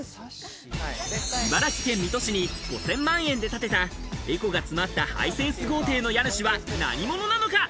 茨城県水戸市に５０００万円で建てたエコが詰まったハイセンス豪邸の家主は何者なのか？